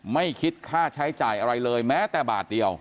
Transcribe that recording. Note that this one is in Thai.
ไม่คิดค่าใช้จ่ายอะไรเลยแม้แต่บาทเดียว